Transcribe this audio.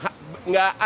tidak ada kasus narkoba